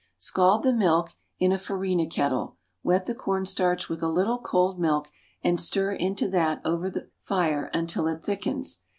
Scald the milk in a farina kettle; wet the cornstarch with a little cold milk and stir into that over the fire until it thickens.